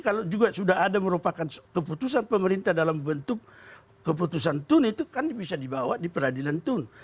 kalau juga sudah ada merupakan keputusan pemerintah dalam bentuk keputusan tun itu kan bisa dibawa di peradilan tun